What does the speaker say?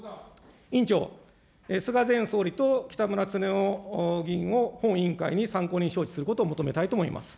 委員長、菅前総理と北村経夫議員を本委員会に参考人招致することを求めたいと思います。